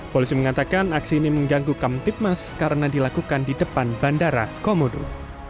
polisi mengatakan aksi ini mengganggu kamtipmas karena dilakukan di depan bandara komodo